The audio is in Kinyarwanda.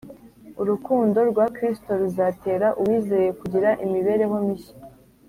urukundo rwa kristo ruzatera uwizeye kugira imibereho mishya